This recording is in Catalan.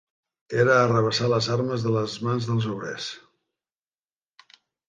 ...era arrabassar les armes de les mans dels obrers